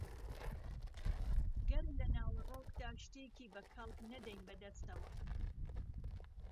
گەر لە ناوەڕۆکدا شتێکی بە کەڵک نەدەین بەدەستەوە